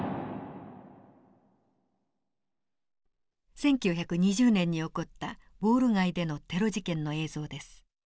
１９２０年に起こったウォール街でのテロ事件の映像です。